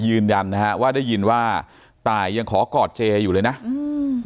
ยืนยันนะฮะว่าได้ยินว่าตายยังขอกอดเจอยู่เลยนะอืม